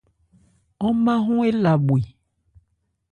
Ɔ́n ma ɔ́n éla bhwe.